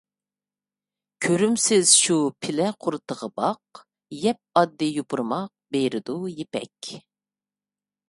كۆرۈمسىز شۇ پىلە قۇرۇتىغا باق، يەپ ئاددىي يوپۇرماق بېرىدۇ يىپەك.